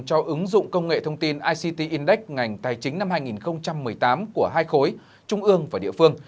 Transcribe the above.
cho ứng dụng công nghệ thông tin ict index ngành tài chính năm hai nghìn một mươi tám của hai khối trung ương và địa phương